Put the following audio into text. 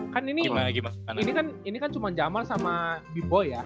kan ini kan cuman jamal sama bboy ya